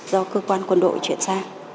do cơ quan quân đội chuyển sang